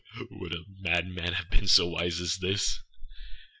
Ha!âwould a madman have been so wise as this?